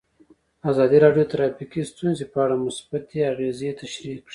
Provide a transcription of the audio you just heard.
ازادي راډیو د ټرافیکي ستونزې په اړه مثبت اغېزې تشریح کړي.